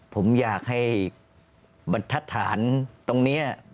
ผมอยากให้บรรทัศน์ตรงนี้